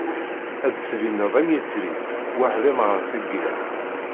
Ad d-tbineḍ am yetri, weḥd-m gar teyyiḍ.